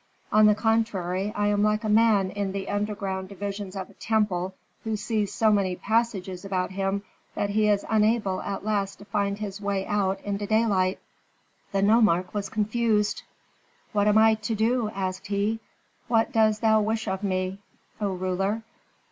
On the contrary. I am like a man in the underground divisions of a temple who sees so many passages about him that he is unable at last to find his way out into daylight." The nomarch was confused. "What am I to do?" asked he. "What dost thou wish of me, O ruler?